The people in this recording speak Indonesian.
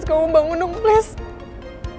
kamu bangun dong please